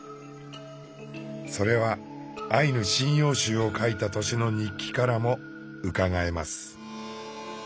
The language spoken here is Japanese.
それは「アイヌ神謡集」を書いた年の日記からもうかがえます。